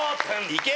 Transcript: いけ！